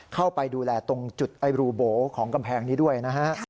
เข้าไปดูแลตรงจุดไอ้รูโบของกำแพงนี้ด้วยนะฮะ